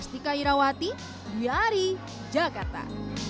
restika irawati duyari jakarta